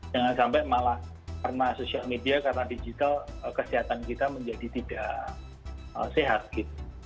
jangan sampai malah karena sosial media karena digital kesehatan kita menjadi tidak sehat gitu